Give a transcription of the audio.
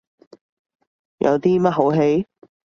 有啲乜好戯？